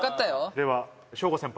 では翔吾先輩